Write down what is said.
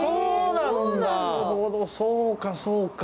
なるほどそうかそうか。